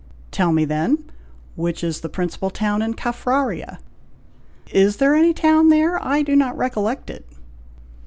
"Tell me, then, which is the principal town in Caffraria?" "Is there any town there? I do not recollect it."